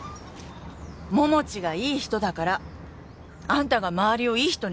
桃地がいい人だから。あんたが周りをいい人にしてるんだよ。